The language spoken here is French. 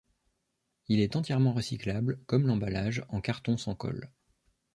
Il est entièrement recyclable, comme l'emballage, en carton sans colle.